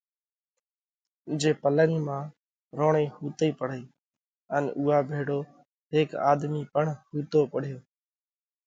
جي پلنڳ مانه روڻئِي ۿُوتئِي پڙئيه ان اُوئا ڀيۯو هيڪ آۮمِي پڻ ۿُوتو پڙيوه۔